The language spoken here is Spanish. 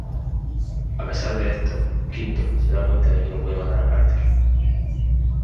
A pesar de esto, Quinto se da cuenta que no puede matar a Carter.